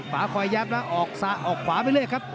ฝาคอยยับแล้วออกขวาไปเลยครับ